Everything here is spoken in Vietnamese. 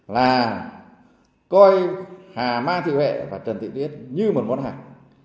là coi hà ma thị huệ và trần thị tuyết như một món hàng